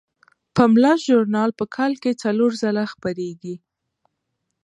پملا ژورنال په کال کې څلور ځله خپریږي.